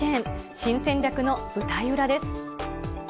新戦略の舞台裏です。